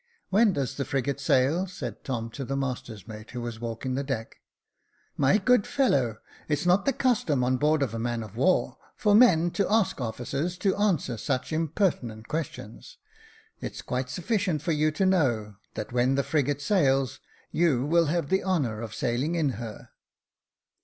" When does the frigate sail ?" said Tom to the master's mate, who was walking the deck. " My good fellow, it's not the custom on board of a man of war for men to ask officers to answer such im pertinent questions. It's quite sufficient for you to know that when the frigate sails, you will have the honour of sailing in her."